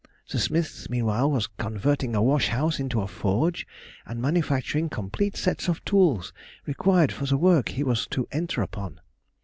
The smith, meanwhile, was converting a washhouse into a forge, and manufacturing complete sets of tools required for the work he was to enter upon.